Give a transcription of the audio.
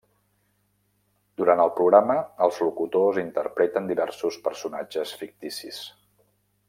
Durant el programa els locutors interpreten diversos personatges ficticis.